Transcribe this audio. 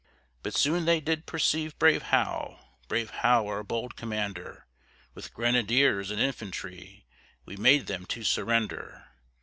But soon they did perceive brave Howe, Brave Howe, our bold commander; With grenadiers, and infantry, We made them to surrender.